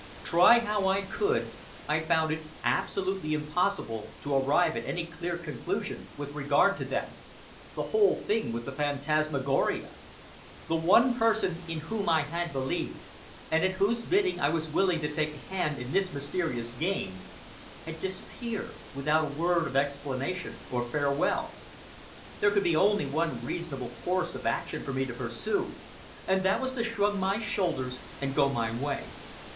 Try how I could, I found it absolutely impossible to arrive at any clear conclusion with regard to them. The whole thing was a phantasmagoria. The one person in whom I had believed, and at whose bidding I was willing to take a hand in this mysterious game, had disappeared without a word of explanation or farewell. There could be only one reasonable course of action for me to pursue, and that was to shrug my shoulders and go my way.